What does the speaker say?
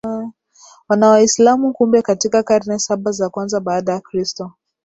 na Waislamu Kumbe katika karne saba za kwanza baada ya Kristo